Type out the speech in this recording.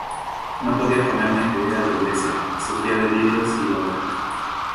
No podía comer ni acudir a la iglesia, y sufría delirios y gota.